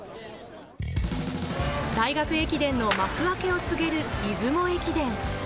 大学駅伝の幕開けを告げる出雲駅伝。